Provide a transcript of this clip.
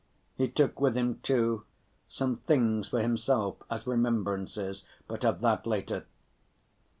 He took with him, too, some things for himself as remembrances, but of that later.